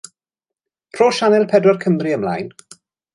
Rho sianel pedwar Cymru ymlaen